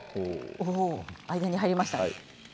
間に入りました。